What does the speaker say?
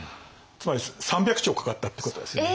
つまり３００兆かかったってことですよね。